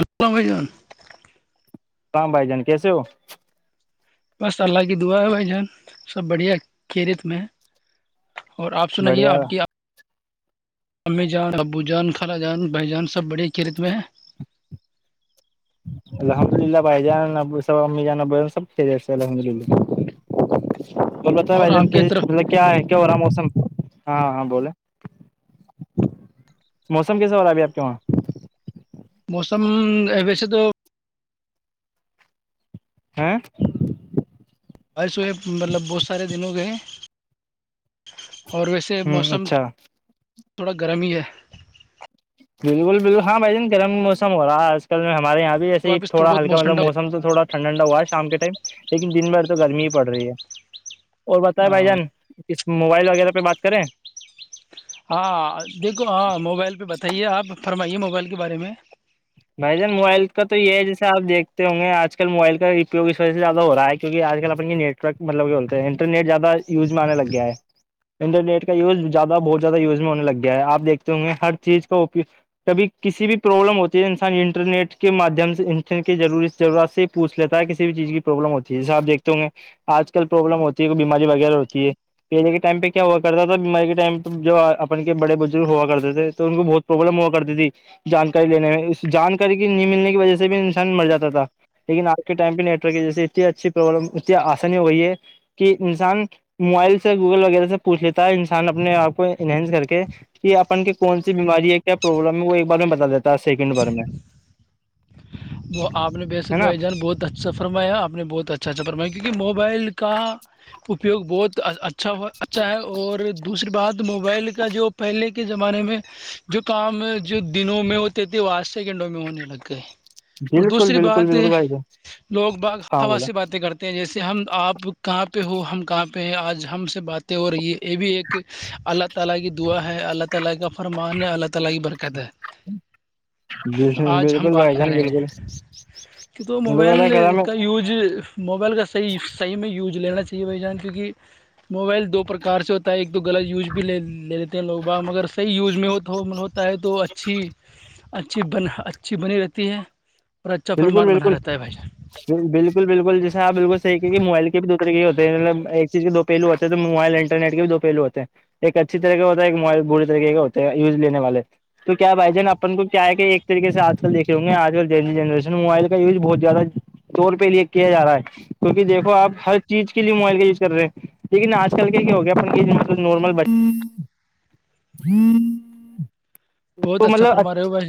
السلام عیکم بھائی جان [inaudible] سلام بھائی جان کیسے ہو بس اللہ کی دعا ہے بھائی جان سب بڑھیا خیریت میں اور آپ سنائیے بڑھیا آپ کے امی جان ابو جان خالہ جان بھائی جان سب بڑی خیریت میں ہیں الحمد للہ بھائی جان سب امی جان ابو سب خیریت سے الحمد للہ اور بتاو اور بھائی آپ جان کی کے [inaudible] طرف مطلب کیا ہے کیا ہو رہا ہے موسم ہاں ہاں بولے موسم کیسے ہورہا ابھی آپ کے وہاں موسم وسے تو ہاں ہے سوہیب مطلب بہت سارے دن ہو گے اور ویسے ہ موسم اچھا تھوڑا گرم ہی ہے بالکل بالکل ہاں بھائی جان گرم موس ہو رہا اج کل ہمارے یہاں بھی تو ایسے ہی واپس تھوڑا بہت ہلکا مطلب ٹھنڈا ہو موسم تھوڑا ٹھنڈا ٹھنڈا ہوا ہے شام کے ٹائم لیکن دن بھر تو گرمی ہی پڑ رہی ہے اور پتا ہے بھائی جان جائے۔ اس موبائل وغیرہ پہ بات کریں ہاں دیکھو ہاں موبائل پہ بتائیے آپ فرمائیے موبائل کے بارے میں بھائی جان موبائل کا تو یہ ہے جیسے آپ دیکھتے ہو گے آج کل موبائل کا اپیوگ و سے زیادہ ہو رہا ہے کیونکہ آج کل اپن کے نیٹ ورک مطلب بولتے ہیں انرنیٹ زیادہ یوز میں انے لگا ہے انٹرنیٹ کا یوز زیادہ بہت زیادہیوز ہو لگ گیا ہے آپ دیکھتے ہو گے ہر چیز کا اپ کبھی کسی بھی پرابلم ہوتا انسان انٹرنیٹ کے مادھیم سے ان کے ضرورت سے پوچھ لیتا ہے کسی بھی چیز کی پرابلم ہوتی جیسے آ دیکھتے ہو گے آج کل پروابلم ہوتی ہے کوئی بیماری وغیرہ ہوتی ہے پی جے کے ٹائم پہ کیا ہوا کرتا تھا بیماری کے ٹائم پہ جو اپن کے بڑے بزرگ ہوا کرتے تھے تو ان کو بہت پروابلم ہوا کرتی تھی جانکاری لینے میں اس جانکاری کی نہیں ملنے کی وجہ سے بھی انسان مر جاتا تھا لیکن آج کے ٹائم پہ نیٹورک جیے اتنی اچھی پرابلم اتنی آسانی ہو گئی ہے کہ انسان موبائل سے گوگل وغیرہ سے پوچھ لیتا ہے انسان اپنے آپ کو انہینس کر کے کہ اپن کی کون سی بیماری ہے کیا پروابلم ہے وہ ایک بارے میں بتا دیتا ہے سیکنڈ بار میں وہ آ نے بے سک ہے نا بھائی جان بہت اچھا سا فرمایا آپ نے بہت اچھا اچھا فرمایا کیونکہ موبائل کا اپیوگ بہت اچھا ہو اچھا ہے اور دوسری بات موبائل کا جو پہلے کے زمانے میں جو کام جو دنوں میں ہوتے تھے وہ آج سیکنڈوں میں ہونے لگ گئے اور بالکل دوسری بالکل بات بالکل بھائی جان لوگ باغ ہاں ہوا بولا سے باتیں کرتے جیسے ہم آپ کہاں پہ ہو ہم کہاں پہ ہیں آج ہم سے باتیں اور یہ یہ بھی ایک اللہ تعالی کی دعا ہے اللہ تعالی کا فرمان ہے اللہ تلا ہی برکت ہے آج ہم بالکل بات بھائی کر جان رہے بالکل ہیں کی تو اللہ تعالی موبائل کرم ہے کا یوز موبائل کا صحیح صحیح میں یوز لینا چاہیے بھائی جان کیونکہ موبائل دو پرکار سے ہوتا ہے ایک تو غلط یوز بھی لے لے لیتے ہیں لوگ با مگر صحیح یوز میں ہو تو ہو ہے تو اچھی اچھی بن اچھی بنی رہتی ہے اور اچھا بالکل فرمان بنا بالکل رہتا ہے بھائی جان بالکل بالکل جیسے آپ بالکل صح کہ موبائل بھی دو طرح ہوتے ہیں مطلب ایک چیز کے دو پہلو ہوتے تو موبائل انٹرنٹ کے بھی دو پہلو ہوتے ہیں ایک اچھی طرح کا ہوتا ہے ایک موبائل برے طریقے کا ہوتا ہے یوز لینے والے تو کیا بھائی جان اپن کو کیا ہے کہ ایک طریق سے آج کل دھے ہوں گے آج کل جنریشن موبائل کا یوز بہت زیادہ طور پہ لے کیا جا رہا ہے کیونکہ دیکو آپ ہر چیز کے لیے موبائل کا یوز کر رہے ہیں لیکن نا آج کل کیا کیا ہو گیا اپ یہ مطلب نارمل ب ہ بہت اچھا مطلب فرما رہے اچ ہو بھائی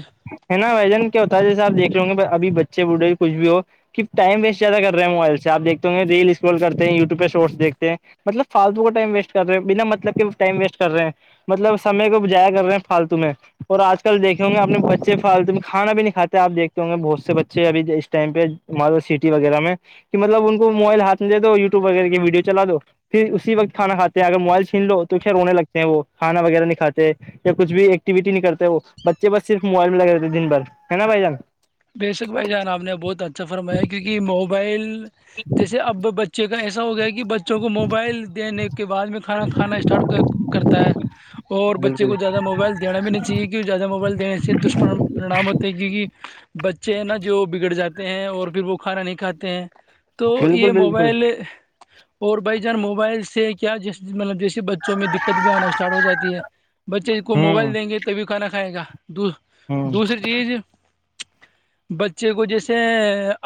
ہے نا ویجن کیا ہوتا ہے جیسے آپ دیکھ لو گے اب بچے بوڑھے کچھ بھی ہو کہ ٹائ وسٹیادہ کر رہے موبائل سے آپیکھتے گ ریلس اس کال کرتے ہیں ی ٹیوب پ شٹس دیکتے ہیں مطلب فالتو کا ٹائم ویسٹ کرے ہیں بنا مطلب کے ٹائم ویس کر رہے ہیں مطلب سمے کو جایا کر رہے ہیں فالتو میں اور آج کل دیکھ ہوں گے اپنے بچے پالت میں کانا بھی نہیں کاتے آپ دیکتے ہوں گے بہت سے بچے اب اس ٹائم پہ سٹی وغیرہ میں کہ مطلب ان کو موائلاتھے دو وٹیوب وغیرہ کی ویڈیو چلا دو پھر اسی وقت کھانا کھاتے اگر موبائل چھین لو تو پھر رونے لگتے ہیں وہ کانا وغیرہ نہیں کھاتے یا کچھ بھی ایکٹٹیوٹی نہیں کرتے وہ بچے بس صرف موائل میں لگے رہتے ہیں دن بھر ہے نا بھائی جان بے شک بھائی جان آپ نے بہت اچھا فرمایا کیونکہ موبائل جیسے اب بچ ایسا ہو گیا کہ بچوں کو موبائل دینے کے بعد میں کھانا کھانا اسٹارٹ کرتا ہے اور بچے بالکل کو زیادہ موبائل دینا بھی نہیں چاہیے زیادہ موبائل دینے سے دشررینام ہوتے ہیں کیک بچے ہیں نا جو بگڑ جاتے ہیں اور پھر وہ کھانا نہیں کھاتے ہیں تو بالکل یہ بالکل موبائل اور بھائی جان موبائل سے کیا جس مطلب جس بچوں میں دقت بھی آنا اسٹارٹ ہو جاتی ہے بچے کو ہوں موبائل دیں گے تبھی کھانا کھائے گا د ہوں دوسری چیز بچے کو جیسے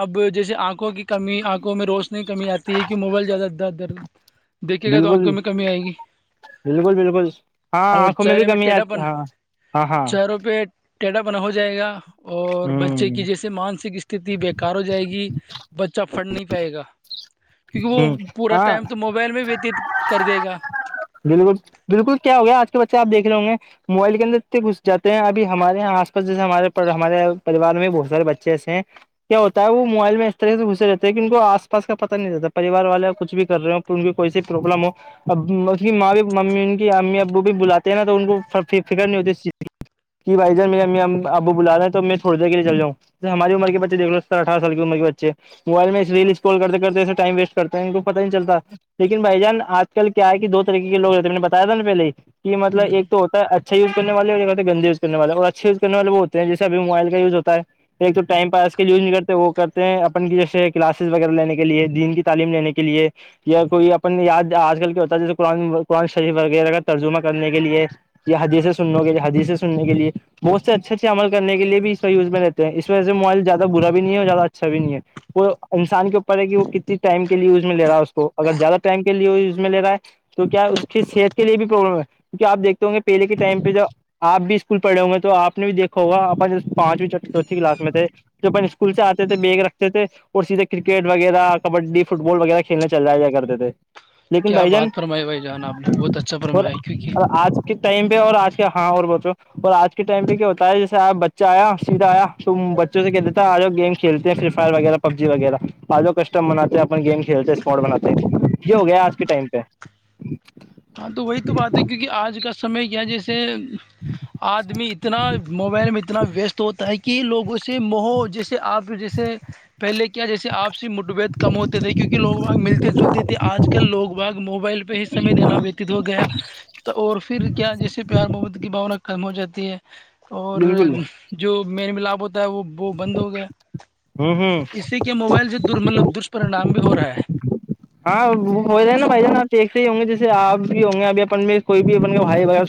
اب جیسے آکھ آنکھوں کی کمی آنکھوں میں روشنی کی کمی آتی ہے کی موبائل زیادہ در در دیکے گا تو بالکل آنکھوں میں کمی آئے گی بالکل بالکل ہاں اور آنکھوں بھی چرے میں کمی ٹیٹا آتی پن ہاں ہاں ہاں چاروں پہ ٹیٹا بنا ہو جائے گا اور بچے ہوں کی جیسے مانسک است بےیکار ہو جائے گی بچہ پڑ نہیں پائے گا کیونکہ وہ ہوں پورا ہاں ٹائم تو موبائل میں وتیت کر دے گا بالکل بالکل کیا ہو گیا آج کے بچے آپ دیکھے ہوں گے موبائل کے اندر گھس جات ہیںب ہمارے یہاں آس پس جیسے ہمارے ہمارے پوار میں بہت سارے بچے ایسے ہیں کیا ہوتا ہے وہ موائل میں اس طرح سے گھسے رہتے ہیں ان کو آس پا کا پ نہیں رہتا پریوار والے کچ بھی کر رہے ہو بھی کوئی سے پرابلم ہو اب اس کی ماں بھی ممی ان کی امی ابو بھی بلاتے ہیں نا تو ان کو فکر نہیں ہوتی اس چیز کہ بھائی جر می امیبو بلا رہے تو میں تھوڑی دیر کے لیےل جاؤں س ہماریمر کے بچ دیک لو سر اٹھہ سال کی عمر کے بچے موبائل میں ریس کال کر کرتےس ٹائم ویسٹ کرتے ہیں ان کو پتا نہیں چلتا لیکن بھائی جان آج کل کیا ہے کہ دو طریقے کے لوگ رہتے ہیں میں نے بتایا تھا نا پہلے کہ ہ مطلب ایک تو اچھا وز کرنے والے اور یاتے گند وزنےے اور اھے یوزنے والے وہ ہوتے ہیں جسےب موائل کایو ہوتا ہے ایک تو ٹائم پاس کے یوز نہیں کرتے وہ کرتے ہیں اپن کی جیسے کلاسز وغیرہ لینے کے لیے دین کی تعلیم لینے کے لیے یا کوئی اپن یاد آج کل کیا ہوتا ہے جیسے قرآن قرآن شریف وغیرہ کا ترجمہ کرنے کے لیے یا حدی سنو گے یا حدی سے سننے کے لیے بہت سے اچھے اچھے عمل کرنے کےے بھی اس فیوز میں رہ اس وجہ سے موبائل زیادہ برا بھی نہیں ہے اور زیادہ اچھا بھی نہیں ہے وہ انسان کے پ ہے کہ وہ کت ٹائم کےے ز میں لے رہا اس کو اگر زیادہ ٹائم کےے یز میں ل رہا ہے تو کیا اس کی صحت کے لیے بھی پروابلم ہے کیہ آپ دیکتے ہ گے پہلے کے ٹائم پہ جو آپ بھی اسکول پڑھے ہوں گے تو آپ نے بھی دیکھا ہوگا پانچویں چوتھی کلاس میں تھے جو اپن اسکول سے آتے تھے بیگ رکھتے تھے اور سیدھے کرک کرکٹ وغیرہ کبڈی فٹ بال وغیرہ کھیلنے چل جیا کرتے تھے لیکن کیا بھائی جان بات فرمائی بھائی جان آپ نے بہت اچھا فرمایا کیونکہ اور آج ک ٹائم پہ اور آج کے ہاں اور بچو اور آج کے ٹائم پہ کیا ہوتا ہے جیسے آپ بچہ آیا سیدھا آیا توم بچوں سے کہتے آ گم کل ہیں فری فائر وغیرہ پب جی وغیرہ آجو کسٹم بناتے اپن گیم کھیلتے اسمارٹ بناتے یہ ہو گیا آج کے ٹائم پہ ہاں تو وہی تو بات ہے کیونکہ آج کا سمے کیا جیسے آدمی اتنا موبائل میں اتنا ویسٹ ہوتا ہے کہ کہ لوگوں سے مہو جیسے آپ جیسے پہلے کیا جیسے آپسی مٹبعت کم ہوتے تھے کیونکہ لوگ وہاں ملتے جلتے تھے آج کے لو باگ موبائل پہ ہی سمےینا وتی ہو گیا تو اور پھر کیا جیسے پیار محبت کی بھاونا کم ہو جاتی ہے اور بالکل جو میرے ملاپ ہوتا ہے وہ وہ بند ہو گیا ہوں ب ہوں اسی کے موبائل سے دملب دشپررینام بھی ہو رہا ہے ہاں وہ ہو جائے نا بھائی جان آپ ایکیک سے ہی ہوں گے جیسے آ بھی ہوں گے ابھی اپن میں کوئی بھی اپ بھائی وغیرہ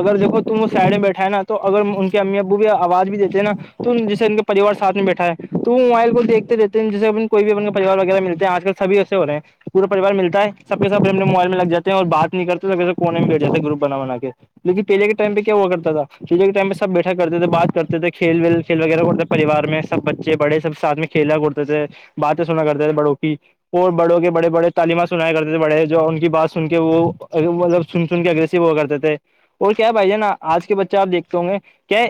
اگر دیکو تم وہ سائڈ میں بیٹھا ہے نا تو اگر ان کے امی ابو بھی آواز بھی دیتے ہیں نا تم جیسے ان پوار سھ میں بیٹا ہے تو وہ موبائل کو دیکتے ہیں جس کوئی بھی اپنےریوار وغیرہ ملتے ہیں آج کل [unintelligible] چاب بھی آس اورے پورا پریار ملتا ہے سب کے سب موبائل میں لگ جاتے اور بات نہیں کرتے سب س کونے میں بیٹ جے ہے گروپ بنا بنا کے لیکن پہلے کے ٹائم پہ کیا ہوا کرتا تھا پہلے کے ٹم پہ سب بیٹھا کرتے تھے بات کرتے تھے کھیل ویل کھیل وغیرہ کرتے پریوار میں سب بچے بڑے سب سھ میں کھیلا کودتے تھے باتیں سنا کرتے ہیں تھ بڑو کی اور بڑوں کے بڑے بڑے تعلیمہ سنایا کرتے تھے بڑے جو ان کی بات سن کے وہ مطلب سن سن کے اگریسو ہو کرتے تھے اور کیا بھائی ج نا آج کے بچے آپ دیکھتے ہوں گے کیا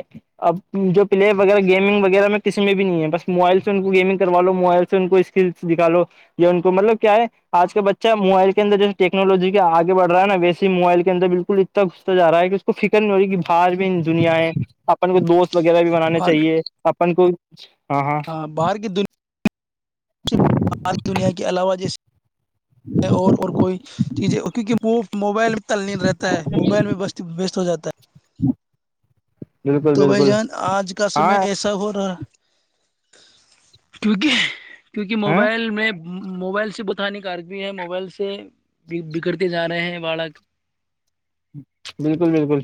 اب جو پلیئر وغیرہ گیمنگ وغیرہ میں کسی میں بھی نہیں ہے بس موائل سے ان کو گیمنگ کرواو موائل سے ان کو اس س دکھال لو یا ان کو مطلب کیا ہے آج کا بچہ موبائل اندر جو ٹیکنالوی کا آگے بڑ رہا ہےا ویسی ہی موبائل کے اندرالکل گھستا جا رہا ہے کہ اس کو فکر نہیں ہو رہی ہے باہر بھی دنیایں آ [unintelligible] اپن کو دوست وغیرہ بھی بنانے باہر چاہیے اپن کو ہاں ہاں باہر کی دنیا [unintelligible] [unintelligible] باری دنیا کے علاوہ جیسے اور اور کوئی چیزیں کیونکہ وہ موبائل میں تل نہیں رہتا ہے موبائل میں وست ہو جاتا ہے ہاں [inaudible] تو بھائی جان آج کا سمے ہاں ایسا ہو رہا کیونکہ کیونکہ ہاں موبائل میں [unintelligible] موبائل سے بتانے کارک بھی ہے موبائل سے بگڑتے جا رہے ہیں بالک بالکل بالکل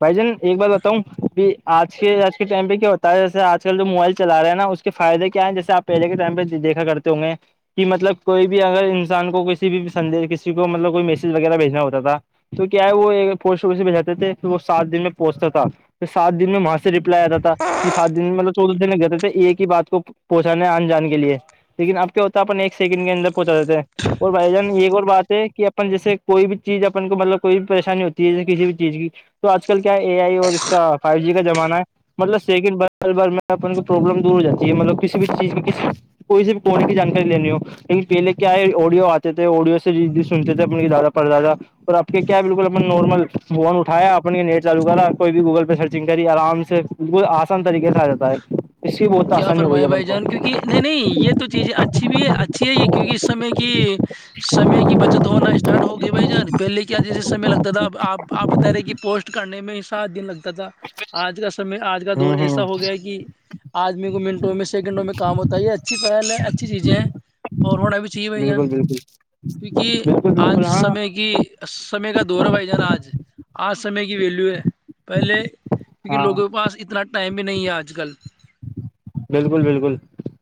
بھائی جان ایک بات بتاؤں کہ آج کے آج کے ٹائم پہ کیا ہوتا ہے جیسے آج کل جو موبائل چل رہے ہیں نا اس کے فائدے کیا ہیں جیسے آپ پہے کے ٹائم پہ دیکھا کرتے ہوں گے کہ مطلب کوئی بھی اگر انسان کو کسی بھی سندیش کسی کو مطلب کوئی میسیج وغیرہ بھیجنا ہوتا تھا تو ہے وہ پوسٹ وس سے بجاتے تھے پھر وہ سات دن میں پہنچتا تھا پھر سات دن میں وہاں سے ریپلائی آتا تھا کہ سات دن مطلب چودہ دن ل گئےتے تھے ایک ہی بات کو پہنچانا آ جان کے لیے لیکن اب کیا ہوتا ہے اپن ایک سیکنڈ کے اندر پہنچا دیتے ہیں اور بھائی جان ایک اور بات ہے کہ اپن جیسے کوئی بھی چیز اپن کو مطلب کوئی بھی پریشانی ہوتی ہے کسی بھی چیز کی تو آج کل کیا اے آئی اور اس کا فائیو جی کا زمانہ ہے مطلب سیکنڈ بار بار میں اپ کو پرابلم دور ہو جاتی ہے مطلب کسی بھی چیز کسی کوئی س بھی کونے کی جانکاری لینی ہو لیکن پہلے کیا ہے آڈیو آتے تھے آڈیو سے سنتے تھے اپنے دادا پر دادا اور کہ کیا بالکل اپنا نارمل فون اٹھیا اپن کے نیٹ چالو کرا کوئی بھی گوگل پہ سرچنگ کری آرام سے بالکل آسان طریقے سے آ جاتا ہے اس کی بہت کیا آسانی ہو گئی فرمایا ہے بن بھائی کو جان کیونکہ نہیں نہیں یہ تو چیزیں اچھی بھی ہے اچھی ہے یہ کیونکہ اس سمے کی سمے کی بچت ہونا اسٹارٹ ہوگئی بھائی جان پہلے کیا جیسے سمے لگتا تھا اب آپ آپ بتا رہے کہ پوسٹ کرنے میں سات دن لگتا تھا آج کا سمے آج کا دور ہوں ہوں ایسا ہو گیا کہ آدمی کو منٹوں میں سیکنڈوں میں کام ہوتا ہے اچھی پہل ہے اچھی چیزیں ہیں اور ہونا بھی چاہیے بھائی جان بالکل بالکل کیونکہ بالکل بالکل آج ہاں سمے کہ سمے کا دور بھائی جانا آج آج سمے کی ویلو ہے پہلے کیونکہ ہاں لوگوں کے پاس اتنا ٹائم بھی نہیں ہے آج کل بالکل بالکل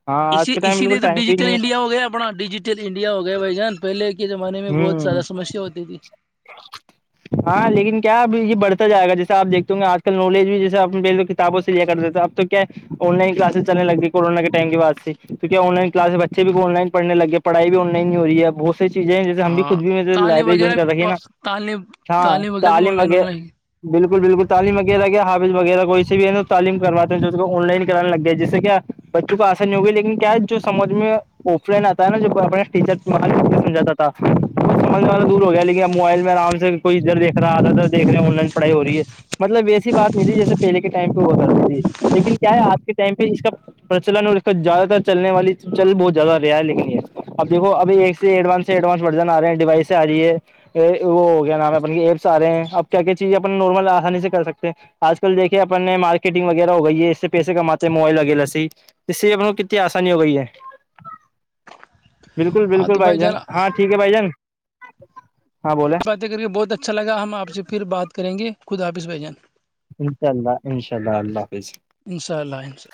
ہاں آج اسی کے ٹائم اسی بالکل لیے تو ٹائم بھی ڈیجیٹل نہیں ہے انڈیا ہو گیا اپنا ڈیجیٹل انڈیا ہو گیا بھائی جان پہلے کے زمانے میں ہے بہت ہوں زیادہ سسیا ہوتی تھی [unintelligible] ہاں لیکن کیا اب یہ بڑتا جائے گا جیسے آ دیکھتے ہو گے آج کل نالج بھی جیسے کتابوں سے لیا کر دیتا تھا اب تو کیا آن لائن کلاسز چل لگی کونا کے ٹائم کے بد سے تو کیا آن لائن کلاسز بچے بھی کو آن لائن پڑنے لگے پڑائی بھی آن لائن نہیں ہوی ہے بہ س چیزیں جیسے ہم بھی خود بھی میں لائبری جوائ کرکے نا طالب ہاں تعلیم وغیرہ بالکل بالکل تعلیم وغیرہ کیا حافظ وغیرہ کوئی سے بھی ہے ن توعم کرواتے ہیں کو آن لائن کرانے لگ گ ہے جس سے کیا بچوں کو آسانی ہوگئی لیکن کیا ہے جو سمجھ میں آف لائن آتا ہے نا جو اپنے ٹیچر سمجاتا تھامجا دور ہو گیا لیکن موبائل میں آرام سے کوئی اد دیکھ رہا تھا ا دیکھے ہیں آن لن پڑھائی ہو رہی ہے مطلب ویسی بات یہ تھی جیسے پہل کے ٹائم پہ ہوا ب ت لیکن کیا ہے آج کے ٹائم پہ اس کا پرچلن ل زیاد تر چلنے والی چل بہت زیادہ رہا ہے لیکن یہ اب دیکو ابھی ایک سے ایڈوانس سے ایڈوانس برجن آ رہے ہیں ڈیوائس آ رہی ہے وہ ہو گیا نام ہے اپ ایپس آ رہے ہیں اب کیا کیا چیزیں اپ نارمل آسانی سے کر سکتے ہیں آج کل دیکھے اپننے مارکیٹنگ وغیرہ ہو گئی ہے اس سے پیسے کماتے موبائل وغیرہ سے ہی اس سے ہم لوگ کتنی آسانی ہو گئی ہے بالکل بالکل بھائی جان ہاںھ ٹھ ہے بھ جان ہاں بولے باتیں کر کےے بہت اچھا لگا ہم آپ سے پھر بات کریں گے خود حاپظ بھائی جان انناء اللہ انشاء اللہ اللہ حافظ ان شاء اللہ ان شاءلہ